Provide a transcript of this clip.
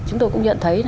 chúng tôi cũng nhận thấy